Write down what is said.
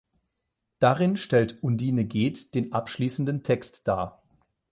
Darin stellt „Undine geht“ den abschließenden Text dar.